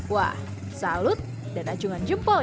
wah salut dan ajungan jempol ya